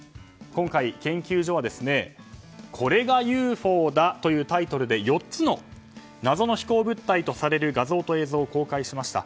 今回、研究所はこれがＵＦＯだというタイトルで４つの謎の飛行物体とされる画像と映像を公開しました。